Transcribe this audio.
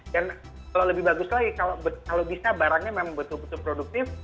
dan kalau lebih bagus lagi kalau bisa barangnya memang betul betul produktif